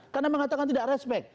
karena mengatakan tidak respect